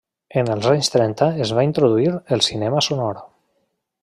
En els anys trenta es va introduir el cinema sonor.